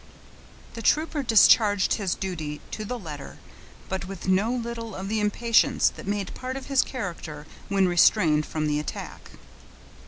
The trooper discharged his duty to the letter but with no little of the impatience that made part of his character when restrained from the attack.